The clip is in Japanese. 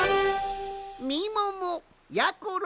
みももやころ